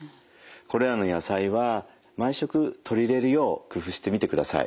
これらの野菜は毎食取り入れるよう工夫してみてください。